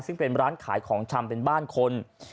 ซึ่งเป็นร้านขายของชำเป็นบ้านคน